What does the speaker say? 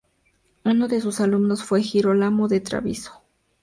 Uno de sus alumnos fue Girolamo da Treviso.